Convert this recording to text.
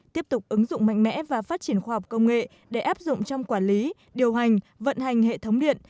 tiếp tục ứng dụng mạnh mẽ và phát triển khoa học công nghệ để áp dụng trong quản lý điều hành vận hành hệ thống điện